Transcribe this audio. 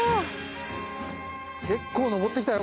結構上ってきたよ